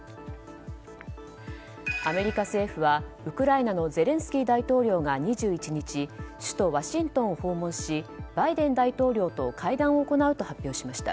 アメリカ政府はウクライナのゼレンスキー大統領が２１日、首都ワシントンを訪問しバイデン大統領と会談を行うと発表しました。